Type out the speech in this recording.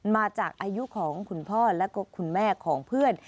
มาจากอายุของคุณพ่อและคุณแม่ของเพื่อน